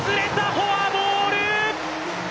フォアボール！